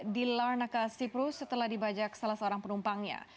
dilarnaka cyprus setelah dibajak salah seorang penumpangnya